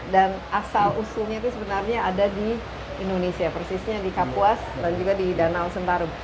dan asal usulnya itu sebenarnya ada di indonesia persisnya di kapuas dan juga di danau sentarum